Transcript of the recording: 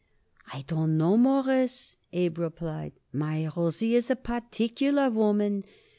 "I don't know, Mawruss," Abe replied. "My Rosie is a particular woman.